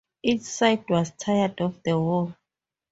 Each side was tired of the war.